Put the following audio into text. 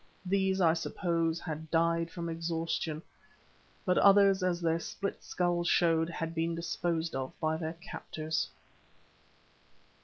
These, I suppose, had died from exhaustion, but others, as their split skulls showed had been disposed of by their captors.